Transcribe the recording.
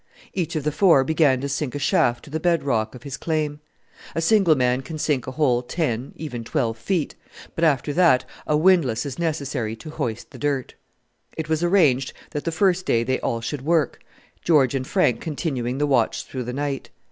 Each of the four began to sink a shaft to the bed rock of his claim. A single man can sink a hole ten, even twelve, feet: but after that a windlass is necessary to hoist the dirt. It was arranged that the first day they all should work, George and Frank continuing the watch through the night.